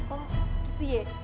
oh gitu ye